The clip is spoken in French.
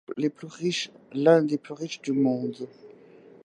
C'est l'un des les plus riches du monde.